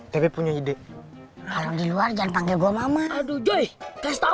kalian nguluh nggak masih andro masih dulu kita harus bahas wow